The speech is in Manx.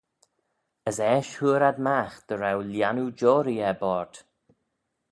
As eisht hooar ad magh dy row lhiannoo-joarree er boayrd.